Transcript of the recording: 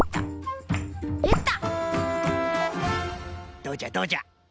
どうじゃどうじゃ？